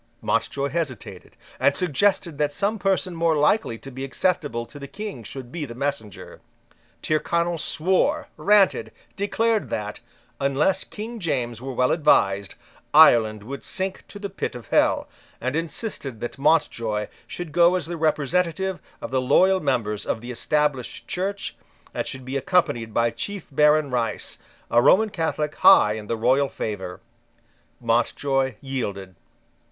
Mountjoy hesitated, and suggested that some person more likely to be acceptable to the King should be the messenger. Tyrconnel swore, ranted, declared that, unless King James were well advised, Ireland would sink to the pit of hell, and insisted that Mountjoy should go as the representative of the loyal members of the Established Church, and should be accompanied by Chief Baron Rice, a Roman Catholic high in the royal favour. Mountjoy yielded.